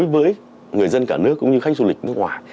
với người dân cả nước cũng như khách du lịch nước ngoài